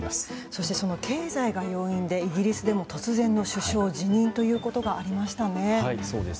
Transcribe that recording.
そして、その経済が要因でイギリスでも突然の首相辞任ということがありましたね。